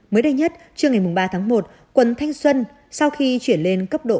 mới đây nhất trưa ngày ba tháng một quận thanh xuân sau khi chuyển lên cấp độ bốn